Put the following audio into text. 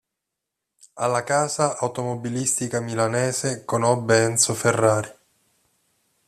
Alla casa automobilistica milanese conobbe Enzo Ferrari.